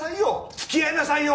付き合いなさいよ！